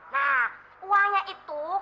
nah uangnya itu